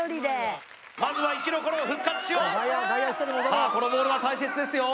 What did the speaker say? あこのボールは大切ですよ